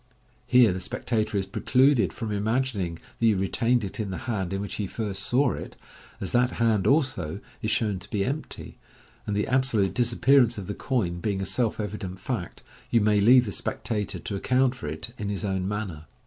Here the spectator is precluded from imagining that you retained it in the hand in which he first saw it, as that hand also is shown to be empty, and the absolute disappearance of the coin being a self evident fact, you may leave the spectator to account for it in his own manner.